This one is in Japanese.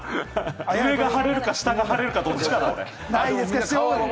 上が腫れるか、下が腫れるかのどっちかだ。